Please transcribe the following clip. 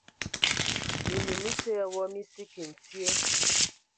Minyu məsə ya wɔ mə səki ntye.